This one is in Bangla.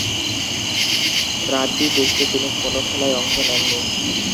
রাগবি টেস্টে তিনি কোন খেলায় অংশ নেননি।